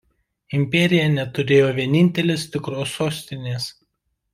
Imperija neturėjo vienintelės tikros sostinės.